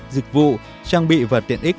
dịch vụ trang bị và tiện ích